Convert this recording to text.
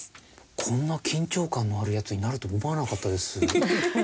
こんな緊張感のあるやつになると思わなかったです。